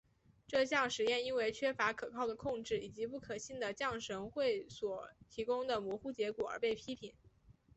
这项实验因为缺乏可靠的控制以及不可信的降神会所提供的模糊结果而被批评。